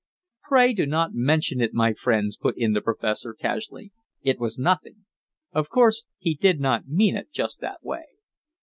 "Pray do not mention it, my friends," put in the professor, casually. "It was nothing." Of course he did not mean it just that way.